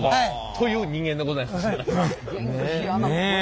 という人間でございます。